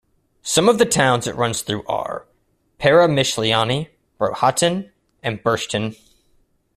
Some of the towns it runs through are: Peremyshliany, Rohatyn, and Burshtyn.